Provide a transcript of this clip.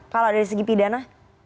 kalau dari segi pidana